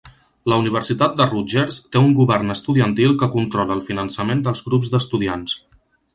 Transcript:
La Universitat de Rutgers té un govern estudiantil que controla el finançament dels grups d'estudiants.